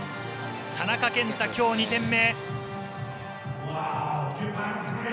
田中健太、きょう２点目。